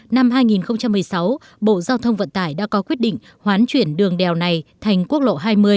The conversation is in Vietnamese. năm hai nghìn một mươi sáu bộ giao thông vận tải đã có quyết định hoán chuyển đường đèo này thành quốc lộ hai mươi